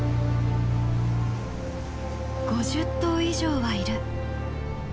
５０頭以上はいる。